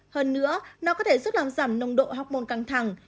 hơn nữa nó có thể giúp làm giảm nồng độ học môn căng thẳng